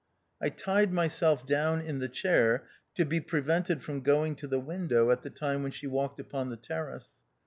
I tied myself down in the chair to be prevented from going to the window at the time when she walked upon the terrace.